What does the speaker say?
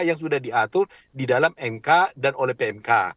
yang sudah diatur di dalam mk dan oleh pmk